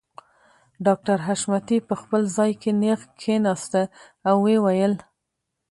ډاکټر حشمتي په خپل ځای کې نېغ کښېناسته او ويې ويل